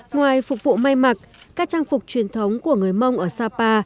ngoài phục vụ may mặc các trang phục truyền thống của người mông ở sapa